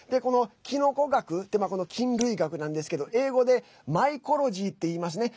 キノコ学ってまあ、菌類学なんですけど英語でマイコロジーっていいますね。